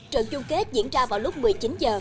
trận chung kết diễn ra vào lúc một mươi chín h